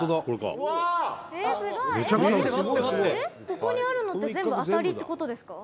「ここにあるのって全部当たりって事ですか？」